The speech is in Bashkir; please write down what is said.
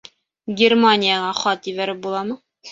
Германияға хат ебәреп буламы?